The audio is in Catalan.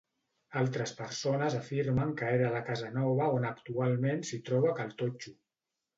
Altres persones afirmen que era la casa nova on actualment s'hi troba Cal Totxo.